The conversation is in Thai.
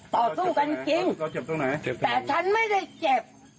ต่อสู้กันจริงแต่ฉันไม่ได้เจ็บ